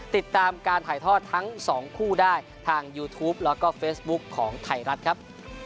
ติดตามการถ่ายทอดทั้งสองคู่ได้ทางยูทูปแล้วก็เฟซบุ๊คของไทยรัฐครับ